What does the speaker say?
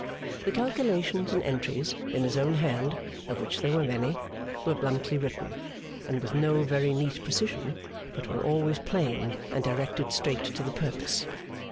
The calculations and entries, in his own hand, of which there were many, were bluntly written, and with no very neat precision; but were always plain and directed straight to the purpose.